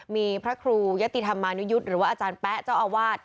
มีพระครูยะติธรรมานุยุทธ์หรือว่าอาจารย์แป๊ะเจ้าอาวาส